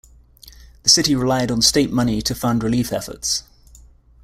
The city relied on state money to fund relief efforts.